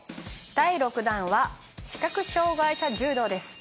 第６弾は視覚障害者柔道です。